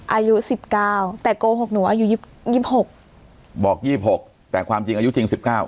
อายุสิบเก้าแต่โกหกหนูอายุยี่สิบหกบอก๒๖แต่ความจริงอายุจริง๑๙